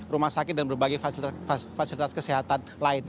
rumah sakit dan berbagai fasilitas kesehatan lain